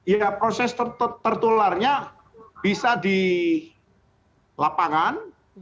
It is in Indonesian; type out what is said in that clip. ya proses tertularnya bisa di lapangan